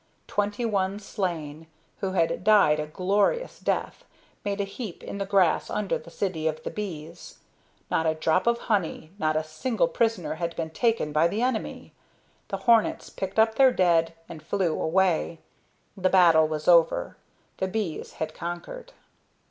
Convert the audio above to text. Twenty one slain, who had died a glorious death, made a heap in the grass under the city of the bees. Not a drop of honey, not a single prisoner had been taken by the enemy. The hornets picked up their dead and flew away, the battle was over, the bees had conquered.